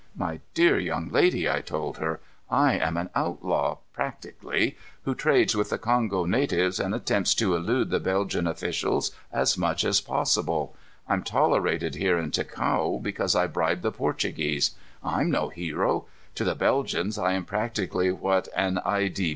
"My dear young lady," I told her, "I am an outlaw, practically, who trades with the Kongo natives and attempts to elude the Belgian officials as much as possible. I'm tolerated here in Ticao because I bribe the Portuguese. I'm no hero. To the Belgians I am practically what an I.